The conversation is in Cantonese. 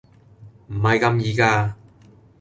唔係咁易㗎